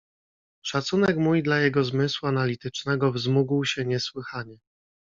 "Szacunek mój dla jego zmysłu analitycznego wzmógł się niesłychanie."